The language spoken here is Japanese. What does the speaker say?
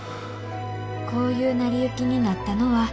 「こういう成り行きになったのは」